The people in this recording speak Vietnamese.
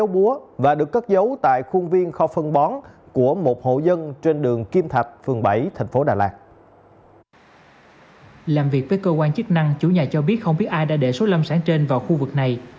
biết không biết ai đã để số lâm sản trên vào khu vực này